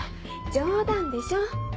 冗談でしょ！